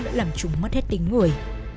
đã làm chúng mất hết tính người